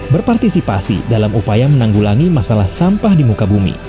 berpartisipasi dalam upaya menanggulangi masalah sampah di muka bumi